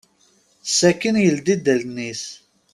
Sakken yeldi-d allen-is.